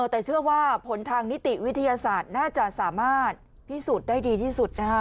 แต่เชื่อว่าผลทางนิติวิทยาศาสตร์น่าจะสามารถพิสูจน์ได้ดีที่สุดนะคะ